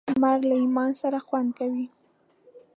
مرګ له ایمان سره خوند کوي.